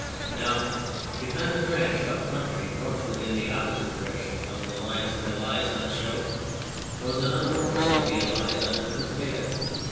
Now, behind the French, up country northward in the opposite direction from the line of the Allies on the Scheldt was another force of the Allies under Clerfayt.